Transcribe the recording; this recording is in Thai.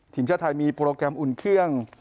ทีมชาติไทยมีโปรแกรมอุ่นเครื่อง